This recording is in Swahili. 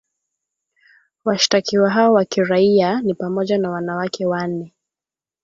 Washtakiwa hao wa kiraiaa ni pamoja na wanawake wane